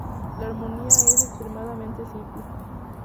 La armonía es extremadamente simple.